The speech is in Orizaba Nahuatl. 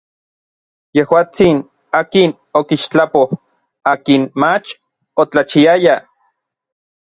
Yejuatsin, akin okixtlapoj akin mach otlachiaya.